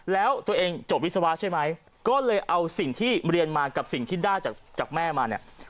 แล้วตัวเองจบวิศวะใช่ไหมก็เลยเอาสิ่งที่เรียนมากับสิ่งที่ได้จากแม่มาเนี่ย